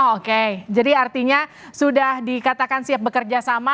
oke jadi artinya sudah dikatakan siap bekerja sama